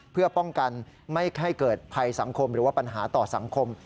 เพื่อป้องกันไม่ให้เกิดภัยสังคมหรือว่าปัญหาต่อสังคม